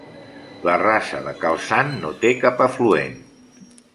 La Rasa de Cal Sant no té cap afluent.